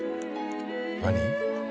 何？